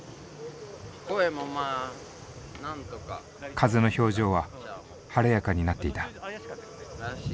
風の表情は晴れやかになっていた。